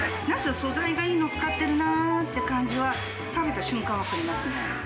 素材がいいの使っているなっていう感じは、食べた瞬間、分かりますね。